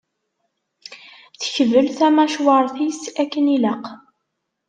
Tekbel tamacwart-is akken ilaq.